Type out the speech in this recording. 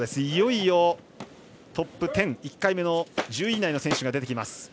いよいよトップ１０１回目の１０位以内の選手が出てきます。